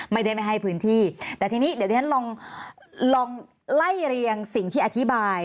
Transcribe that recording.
ไม่ได้ไม่ให้พื้นที่แต่ทีนี้เดี๋ยวที่ฉันลองลองไล่เรียงสิ่งที่อธิบาย